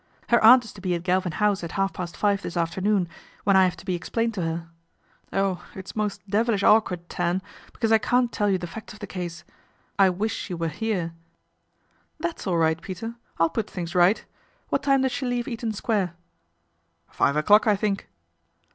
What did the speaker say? Her aunt is to be at Galvin House at half past five this afternoon, when I have to be explained to her. Oh ! it's most devilish awkward, Tan, because I can't tell you the facts of the case. I wish she were here." " That's all right, Peter. I'll put things right. What time does she leave Eaton Square ?"" Five o'clock, I think."